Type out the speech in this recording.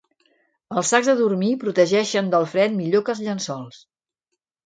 Els sacs de dormir protegeixen del fred millor que els llençols.